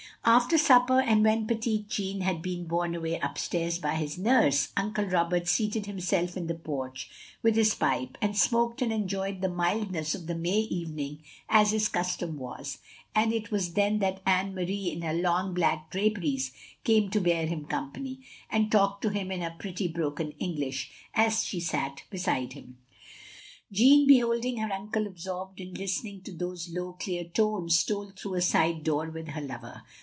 After supper, and when petit Jean had been bome away upstairs by his nurse, Uncle Roberts seated himself in the porch, with his pipe, and smoked and enjoyed the mildness of the May evening as his custom was; and it was then that Anne Marie, in her long black draperies, came to bear him company, and talked to him in her pretty broken EngUsh, as she sat beside him. Jeanne, beholding her tincle absorbed in lis tening to those low, clear tones, stole through a side door, with her lover.